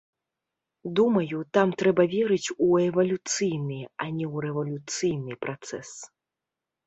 Думаю, там трэба верыць у эвалюцыйны, а не ў рэвалюцыйны працэс.